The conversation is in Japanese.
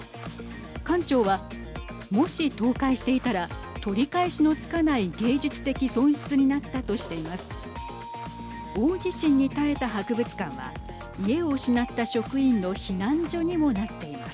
館長は、もし倒壊していたら取り返しのつかない芸術的損失になったとしています。